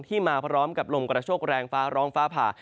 มาพร้อมกับลมกระโชคแรงฟ้าร้องฟ้าผ่า